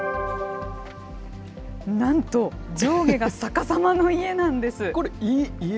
なんと、上下が逆さまの家なんです。